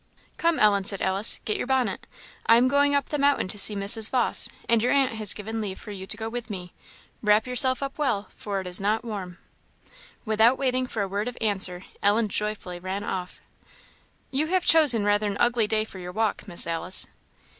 "Come, Ellen," said Alice, "get your bonnet; I am going up the mountain to see Mrs. Vawse, and your aunt has given leave for you to go with me. Wrap yourself up well, for it is not warm." Without waiting for a word of answer, Ellen joyfully ran off. "You have chosen rather an ugly day for your walk, Miss Alice."